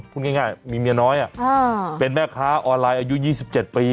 พูดง่ายง่ายมีเมียน้อยอ่ะอ่าเป็นแม่ค้าออนไลน์อายุยี่สิบเจ็ดปี